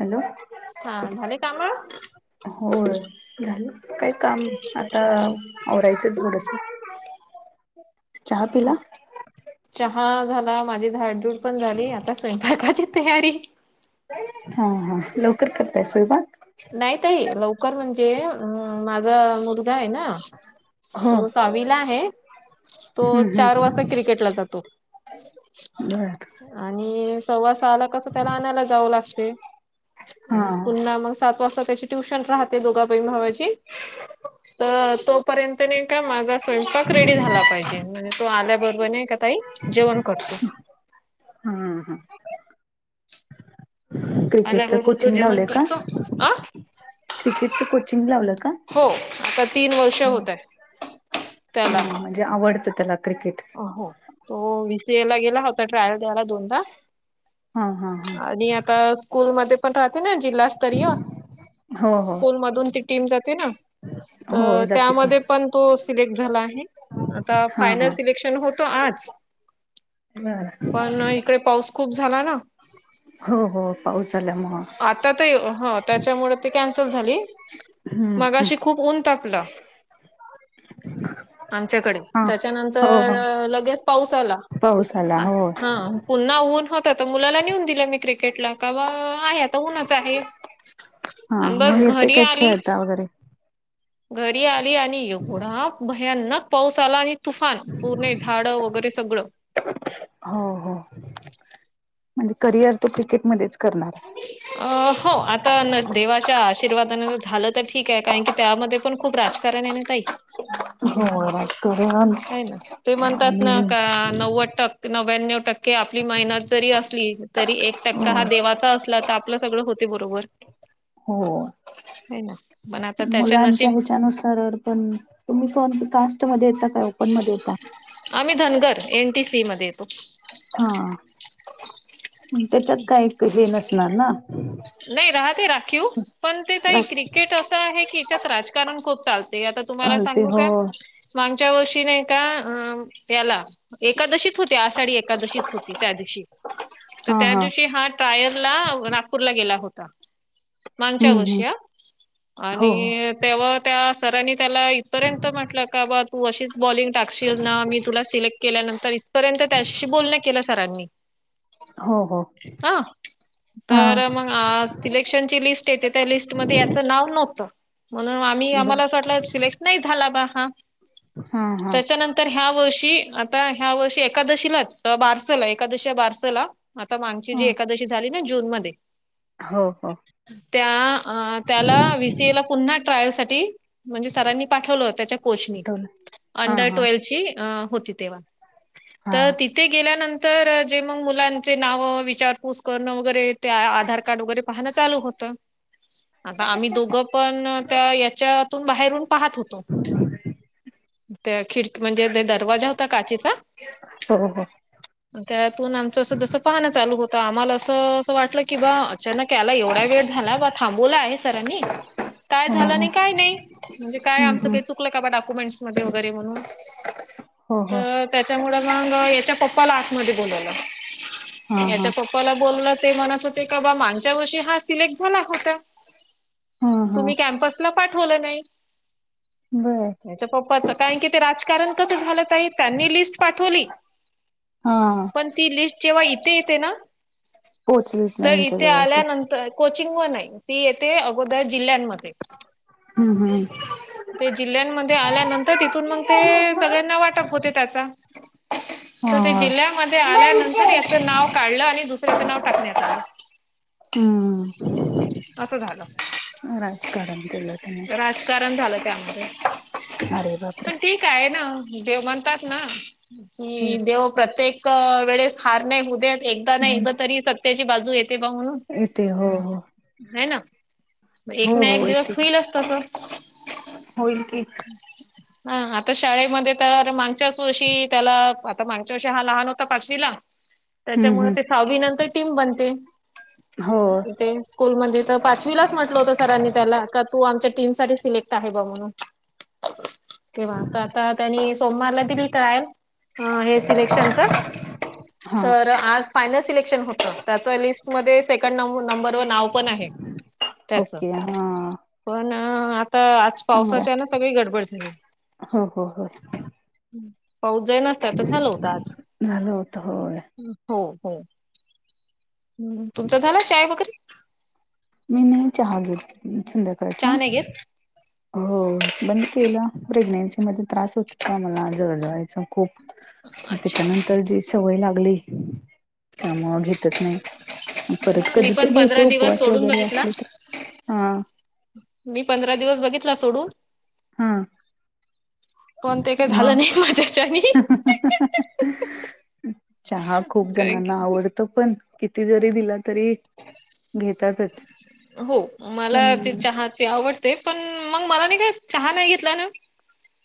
Hello हा झाले काम होय झाले काही काम आता आवरायचे ये थोडस चहा पिला? चहा झाला माझी झाडधूड पण झाली आता स्वयंपाकाची तयारी हा हा लवकर करताय स्वयंपाक नाही ताई लवकर म्हणजे अ माझा मुलगा आहे ना हो तो हम्म सहावीला आहे. तो चार हम्म वाजता क्रिकेटला जातो. [unintelligible] आणि सव्वासहा ला कस त्याला आणायला जावं लागते हा आणि पुन्हा मग सात वाजता त्याची ट्युशन राहते दोघा बहिण भावाची तर तो पर्यंत नाही का माझा स्वयंपाक रेडी झाला पाहिजे म्हणजे तो आल्याबरोबर नाही का ताई जेवण करतो. हा हा आल्या क्रिकेटच बरोबर तो कोचिंग जेवण लावलंय का करतो अ क्रिकेटचं कोचिंग लावलं का हो आता तीन वर्ष होताये. हा त्याला म्हणजे आवडतं त्याला क्रिकेट हो तो वीसीए ला गेला होता ट्रायल द्यायला दोनदा हा हा हा आणि आता स्कूल मध्ये पण राहते ना जिल्हा स्तरीय हो हो स्कूल मधून ती टीम जाते ना हो तर जाते की त्यामध्ये पण तो सिलेक्ट झाला आहे आता हा फायनल हा सिलेक्शन होतो आज बर पण इकडे पाऊस खूप झाला ना हो हो पाऊस झाला. आता तर ह त्याच्यामुळे ती कॅन्सल झाली. हा हा मगाशी खूप ऊन तापला आमच्याकडे हा त्याच्यानंतर हो हो तर लगेच पाऊस आला पाऊस आला होय हा पुन्हा ऊन होत तर मुलाला नेऊन दिले मी क्रिकेटला का बा आहे आता ऊनच आहे. हा आणि मग बस येते घरी काय आली खेळता वगैरे घरी आली आणि एवढा भयानक पाऊस आला आणि तुफान पूर्ण झाडं वगैरे सगळं हो हो म्हणजे करिअर तो क्रिकेट मध्येच करणार. अ हो आता देवाच्या आशीर्वादान झालं तर ठीक आहे कारण की त्यामध्ये पण खूप राज हॅलो नीनी ताई हो राजकरण काय ना ते म्हणतात ना आणि का आणि नव्वद टक्के नव्याण्णव टक्के आपली मेहनत जरी असली तरी एक टक्का हा देवा- चा असला तर आपलं सगळं होते बरोबर. हो हो ना म [inaudible] मुलांच्या हिच्यानुसार पण. तुम्ही कोणती कास्ट मध्ये येता काय ओपन मध्ये येता. आम्ही धनगर एन टी सी मध्ये येतो. हा त्याच्यात काही हे नसणार ना. नाही राहते राखीव पण ते ताई क्रिकेट असं आहे की याच्यात राजकारण खूप चालतं. ते आता तुम्हाला ते सांगू हो का मागच्या वर्षी नाही का अ ह्याला एकादशीच होती आषाढी एकादशीच होती त्या दिवशी. तर त्या दिवशी हा ट्रायल ला नागपूरला गेला होता. मागच्या हम्म हम्म वर्षी आ, हो आणि तेव्हा त्या सरांनी त्याला इथपर्यंत म्हटलं का बा तू अशीच बॉलिंग टाकशील ना मी तुला सिलेक्ट केल्यानंतर [inaudible] इथ पर्यंत त्याच्याशी बोलण केलं सरांनी. हो हो अ हा तर मग आज. सिलेक्शन ची लिस्ट येते त्या लिस्ट मध्ये याचं नाव नव्हतं म्हणून आम्ही बर आम्हाला असं वाटलं सिलेक्ट. नाही झाला बा हां हा हा त्याच्यानंत- [inaudible] तर ह्या वर्षी आता ह्या वर्षी एकादशीलाच तर बारसला एकादशी बारसला आता मागची जी ह एकादशी झाली ना जून मध्ये. हो हो त्या त्याला विसीएला ला पुन्हा ट्रायल साठी म्हणजे सरांनी पाठवलं त्याच्या कोचनी आठवलं हा अंडर हा ट्वेलं ची अं होती तेव्हा. हा तर तिथे गेल्यानंतर जे मग मुलांचे नाव विचारपूस करणं वगैरे ते आधार कार्ड वगैरे पाहणं चालू होतं. आता आम्ही दोघं पण त्या याच्यातून बाहेरून पाहत होतो. त्या खिडकी म्हणजे ते दरवाजा होता काचेचा. हो हो हो त्यातून आमचं असं जसं पाहणं चालू होतं आम्हाला असं असं वाटलं कि बा अचानक याला एवढा वेळ झाला बा थांबवला आहे सरांनी [inaudible] काय झालं हो नाही काय नाही म्हणजे काय हम्म आमचं हम्म काही चुकलं का बा डॉक्युमेंट्स मध्ये वगैरे म्हणून. हो हो तर त्याच्यामुळे मग ह्याच्या पप्पाला आतमध्ये बोलावलं हा हा ह्याच्या पप- मला बोललं ते म्हणत होते का बा मागच्या वर्षी हा सिलेक्ट झाला होता. हा हा तुम्ही कॅम्पसला पाठवलं नाही. बरं याच्या पप्पाच काय की, ते राजकारण कसं झालं ताई त्यांनी लिस्ट पाठवली. हा पण ती लिस्ट जेव्हा येई- ती येते ना पोहोचलीच नाही तर यांच्या इथे जवळ ती आल्यानंतर. कोचिंग वन ये ती येते अगोदर जिल्ह्यांमध्ये हू हू [unintelligible] ते जिल्ह्यांमध्ये आल्यानंतर तिथून मग ते सगळ्यांना वाटप होते त्याचा. [unintelligible] तर ते जिल्ह्यामध्ये आल्यानंतर याचं नाव काढलं आणि दुसऱ्याचं नाव टाकण्यात आलं. हं असं झालं राजकारण केलं त्यानी. राजकारण झालं त्यामध्ये. अरे बापरे. काय ना देव म्हणतात ना हो मि, देव करते. दर वेळेस हार नाही उद्या एकदा नाही हो एकदा तरी सत्याची बाजू येते बा म्हणून. येते हो हो. हे ना हो एक ना एक हो दिवस येते होईलच तसं. होईल की, हां आता शाळेमध्ये तर मागच्याचं वर्षी त्याला आता मागच्या वर्षी हा लहान होता पाचवीला. [unintelligible] त्याच्यामुळे ते सहावी नंतर टीम बनते हो इथेच. स्कूलमध्ये तर पाचवीलाचं म्हटलं होतं सरांनी त्याला का तू आमच्या टीम साठी सिलेक्ट आहे बा म्हणून. [unintelligible] तेवा तर आता त्यांनी सोमवारला दिली ट्रायल अ हे सिलेक्शनचं. हा तर आज फायनल सिलेक्शन होत त्याच लिस्टमध्ये सेकंड नंब नंबवर नाव. पण आहे त्याच ओके हा पण अ आता आज. चांगलंय पावसाच्या ना सगळी गडबड झाली हो हो हो पाऊस जाई ना. त्याच झालं होत आज. झालं होत होय हो हो तुमचा झाला चाय वगैरे. मी नही चहा घेत चहा संध्याकाळचा. नाही घेत हो बंद केलं प्रेग्नेन्सी मध्ये त्रास होत होता. मला जळजळचा खूप. अच्छा त्याच्यानंतर जी सवय लागली. त्यामुळे घेतच नाही परत कधी तर घेते उपवास. सोडुन वगैरे बघितला असले तर हा मी पंधरा दिवस बघितला सोडून. हा. पण ते काय झालं नाही माझ्याच्यानी. अअअअ अ चहा खूप कारण जणांना की आवडतो पण. किती जरी दिला तरी घेतातच. हो मला पण ते चहात. ते. आवडते पण मग मला नाही काय चहा नाही घेतला ना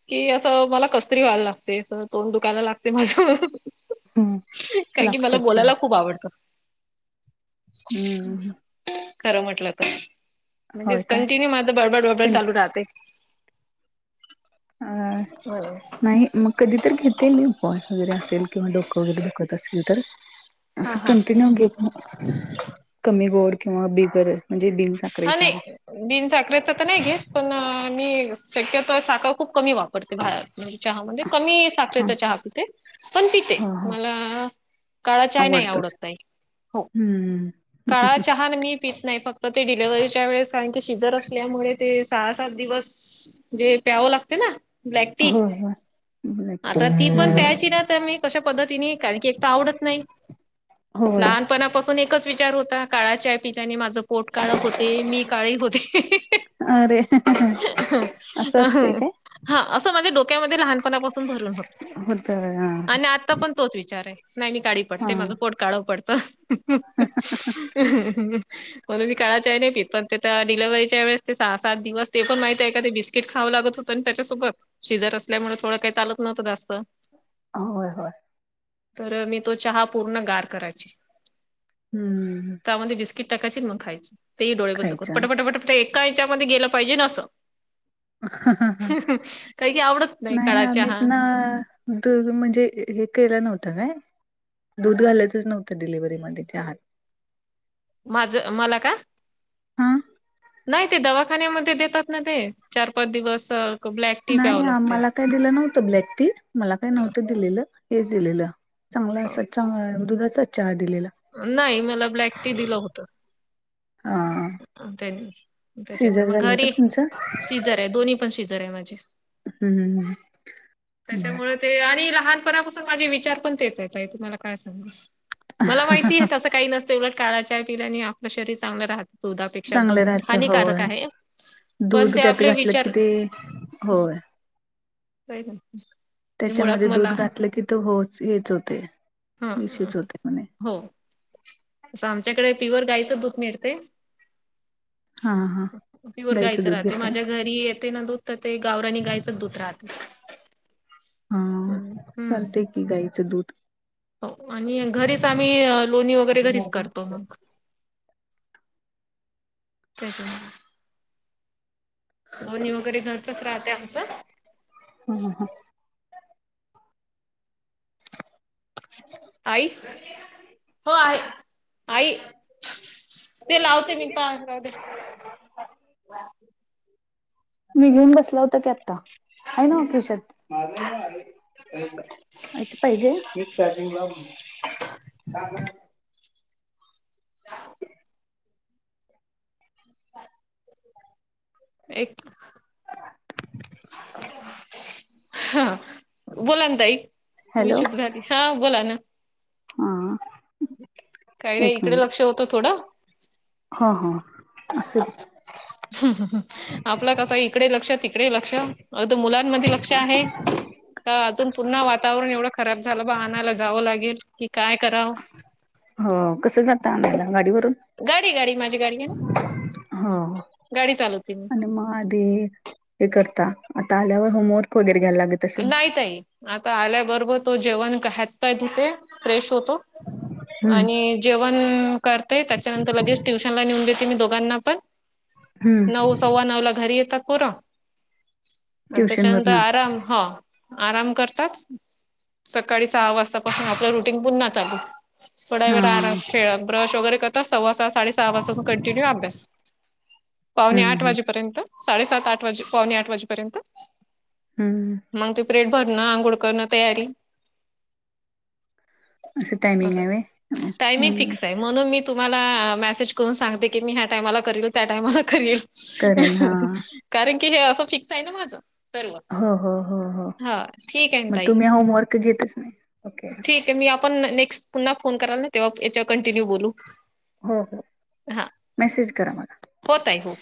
कि असं मला कसतरी व्हायला लागते अस तोंड. दुखायला लागते माझ हम्म कारण की मला लागतो चहा बोलायला खूप आवडत. हम्म् ह. खरं म्हटलं तर म्हणजे होय काय कंटिन्यू माझ बळबड बळबड चालू राहते. अ हा नाही मग कधी तर्री घेत. ते मी बॉस वगैरे असेल किंवा डोकं वगैरे दुखत असेल तर असं हा कंटिन्यू घेत. कमी गोड किंवा बिगर म्हणजे बिनस. हवि. बिन साखरेचा तर नाही घेत पण मी शक्यतो साखर खूप कमी वापरते भाहेर. म्हणजे चहामध्ये कमी साखरेचा चहा पिते पण पिते हो हो मला. काळा चाय नाही आवडतोच. आवडत ताई. हो हम्म. काळा चहा मी पित नाही फक्त. ते डिलेव्हरीच्या वेळेस कारण की सिजर असल्यामुळे ते सहा सात दिवस जे प्याव लागते ना ब्लॅक टी [unintelligible] टी आता ती पण हम्म प्यायची ना तर मी कशा पद्धतीने कारण की एक तर आवडत नाही होय पणापासून एकच विचार होता काळा चाय पिल्याने माझं पोट काळ होते मी काळे होते अरे असं असते काय हा असं माझ्या डोक्यामध्ये लहानपणापासून भरून होत. होत आणि हा आता पण तोच विचार आहे नाही मी काळी पडते माझ पोट काळ पडतं. [unintelligible] म्हणून मी काळा चाय नाही पित पण ते डिलेव्हरीच्या वेळेस ते सहा सा सात दिवस ते पण माहती आहे का ते बिस्किट खावं लागत होतं आणि त्याच्यासोबत सीजर असल्यामुळे थोडं काही चालत नव्हत जास्त होय होय तर मी तो चहा पूर्ण गार करायची हम्म त्यामध्ये बिस्किट टाकायची मग खायची तेही डोळे बंद करून खायचा पटपट पटपट एका ह्याच्यामध्ये गेलं पाहिजेन असं. काही की आवडत नाही काळा आम्हीत चहा ना दुध म्हणजे हे केलं नव्हतं काय? दूध घालायच च नव्हतं डिलिव्हरीमध्ये चहात माझं मला का? हा नाही ते, दवाखान्यामध्ये देतात ना ते, चार पाच दिवस. ब्लॅक टी नाही प्यावं हा लागते. मला काही दिलं नव्हतं ब्लॅक टी मला काही नव्हतं दिलेलं हेच दिलेलं. चांगला असा चहा दुधाचाच चहा दिलेला. नाही मला ब्लॅक टी दिलं होत. हा अ त्यांनी त्याच्यामुळे सिजर मग झालंय का घरी तुमचं सिझर दोन्ही पण सिझर आहे माझे, हम्म हम्म. त्याच्यामुळे ते आणि लहानपणापासून माझे विचार पण तेच आहे ताई तुम्हाला काय सांगू. मला माहिती आहे ना तसं काही नसतं उलट काळा चहा पिल्याने आपलं शरीर चांगलं राहतं. दुधापेक्षा चांगलं दूध राहत हानिकारक होय आहे. पण दूध ते त्यात आपले घातलं की विचार ते, होय काय झालं त्याच्यामध्ये दूध घातलं की तर होच हेच होते हा इशूच होते म्हणे. हो, आता आमच्याकडे प्युअर गाईचं दूध मिळते हा हा पिवर गाईचं दूध राहते घेताय माझ्या घरी येते ना दूध तर ते गावरानी गाईचंच दूध राहते. [inaudible] हा हम् हम्म. चालतय गाईचं दूध हो आणि घरीच आम्ही लोणी वगैरे घरीच करतो मग. [unintelligible] लोणी वगैरे घरचच राहते आमचं. हम् हम हम. [inaudible] आई हो आहे आई ते लावते मी पाण जाऊदे. मी घेऊन बसला होता की आता, आहे ना ओ खिशात. [unintelligible] पाहिजे नीट चार्जिंग लाव [inaudible] [inaudible] एक.............. हा. बोला ना ताई मी हॅलो शुभ झाली हा बोला ना. हा... आ.. काय रे इकडे लक्ष होतं थोडं. हां हां असल. हम ह... ह... आपल कस आहे इकडे लक्ष तिकडे लक्ष अग मुलांमध्ये लक्ष आहे. का अजून पुन्हा वातावरण एवढं खराब झालं बा आणायला जावं लागेल, कि काय करावं. हो कसं जात आणायला गाडीवरून. गाडी गाडी माझी गाडी आहे ना गाडी चालवते मी. मम्मा दे हे करता आता आल्यावर होमवर्क वगैरे घ्यायला लागत. असेल नाही ताई आता आल्याबरोबर तो जेवण हातपाय धुतो जेवण फ्रेश होतो. [unintelligible] हम्म आणि. जेवंण करते त्याच्यानंतर लगेच ट्युशन नेऊन देते मी दोघांना पण..... हम्म नऊ सव्वा नऊ ला घरी येतात पोर, आणि ट्युशन त्याच्यानंतर वरन आराम. हा आराम करताात... सकाळी सहा वाजतापासून आपलं रुटीन पुन्हा. थोडा हा वेळ आराम हम्म खेळ ब्रश वगरे करतात सव्वासहा साडेसहा वाजता पासून कंटिन्यू अभ्यास.. पावणे आठ हम्म वाजेपर्यंत. साडेसात आठ वाजे... पावणे आठ वाजेपर्यंत हम्म... मग ते बॅग भरणं आंघोळ करणं तयारी असं टायमिंग आस आहे व्हय टायम ही हम्म फिक्स आहे म्हणून मी- तुम्हाला मेसेज करून सांगते की मी ह्या टायमाला करील त्या टायमाला करील- ह करेन हा ह कारण की हे असं फिक्स आहे ना माझं तर मग हों हों हों हों ना मग ताई तुम्ही होमवर्क घेतच नाही ओके! ते मी आपण नेक्स्ट पुन्हा फोन कराल ना तेव्हा याच्यावर कंटिन्यू बोलू. हो हो मेसेज करा मला. हों ताई हो.